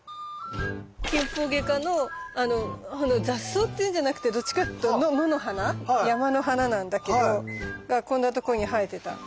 キンポウゲ科の雑草っていうんじゃなくてどっちかっていうと野の花山の花なんだけどこんな所に生えてた。